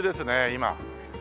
今。